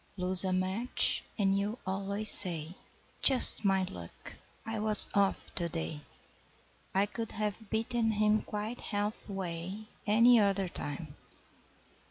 Lose a match and you always say, 'Just my luck! I was 'off' to day! I could have beaten him quite half way Any other time!'